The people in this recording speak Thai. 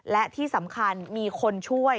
และที่สำคัญมีคนช่วย